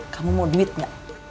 kamu mau duit gak